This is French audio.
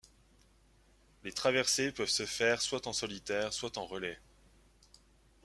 Les traversées peuvent se faire soit en solitaire soit en relais.